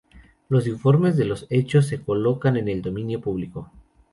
Los informes de los hechos se colocan en el dominio público.